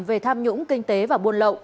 về tham nhũng kinh tế và buôn lậu